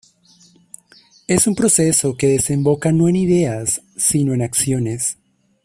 Es un proceso que desemboca no en ideas, sino en acciones.